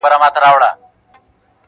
• واوري دي اوري زموږ پر بامونو -